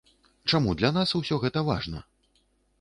Чаму для нас ўсё гэта важна?